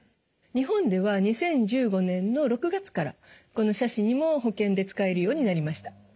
日本では２０１５年の６月からこの斜視にも保険で使えるようになりました。